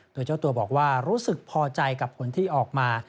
โดยเจ้าตัวบอกว่ารู้สึกพอใจกับผลที่ออกมา